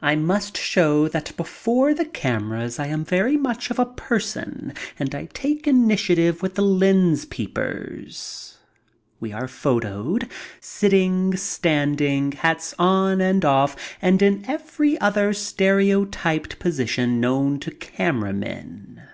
I must show that before cameras I am very much of a person, and I take the initiative with the lens peepers. We are photoed, sitting, standing, hats on and off, and in every other stereotyped position known to camera men.